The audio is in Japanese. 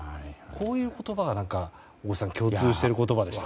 こういう言葉が共通している言葉でした。